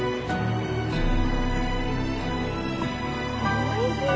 おいしい。